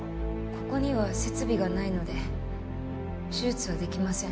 ここには設備がないので手術はできません